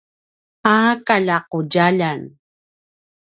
a kaljaqudjaljan